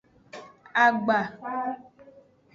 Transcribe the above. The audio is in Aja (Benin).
Agba.